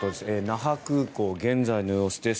那覇空港、現在の様子です。